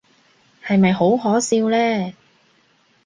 係咪好可笑呢？